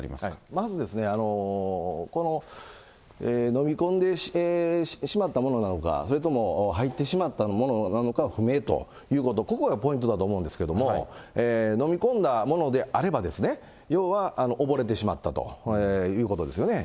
まず、この飲み込んでしまったものなのか、それとも、入ってしまったものなのかは不明ということ、ここがポイントだと思うんですけど、飲み込んだものであれば、要は溺れてしまったということですよね。